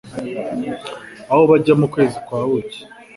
aho bajya mu kwezi kwa buki